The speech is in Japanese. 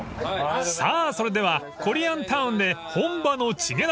［さあそれではコリアタウンで本場のチゲ鍋］